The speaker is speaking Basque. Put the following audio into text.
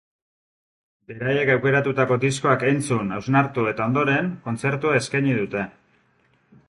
Beraiek aukeratutako diskoak entzun, hausnartu eta ondoren, kontzertua eskaini dute.